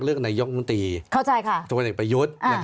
ไปยกมุนตรีตัวเน็ตไปยุธ